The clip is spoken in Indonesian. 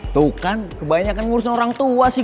tuh kan kebanyakan ngurusin orang tua sih